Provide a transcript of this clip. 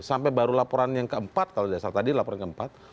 sampai baru laporan yang keempat kalau tidak salah tadi laporan keempat